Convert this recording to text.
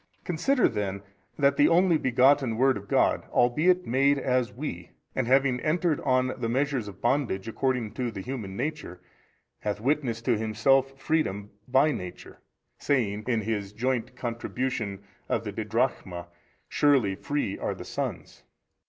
A. Consider then that the Only Begotten Word of God albeit made as we and having entered on the measures of bondage according to the human nature, hath witnessed to Himself freedom by Nature, saying in His joint contribution 16 of the didrachma, Surely free are the sons.